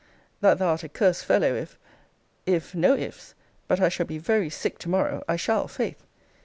That thou art a cursed fellow, if If no if's but I shall be very sick to morrow. I shall, 'faith.